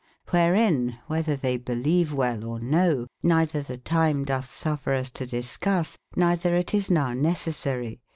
QIberin, wbetber tbey beleve well or no, neitber tbe time dotb suffer us to discusse, neitber it is nowe necessarie.